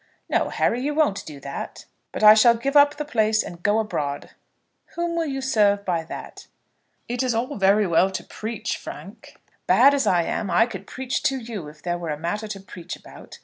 "No, Harry, you won't do that." "But I shall give up the place, and go abroad." "Whom will you serve by that?" "It is all very well to preach, Frank. Bad as I am I could preach to you if there were a matter to preach about.